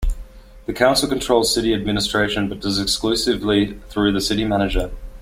The council controls city administration but does so exclusively through the city manager.